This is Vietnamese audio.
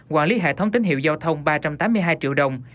quản lý hệ thống tín hiệu giao thông ba trăm tám mươi hai triệu đồng